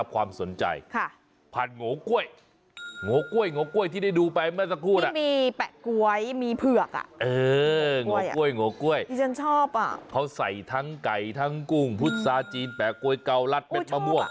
ไก่ทั้งกุ้งพุษาจีนแปะโกยเกาลัดเป็นประมวง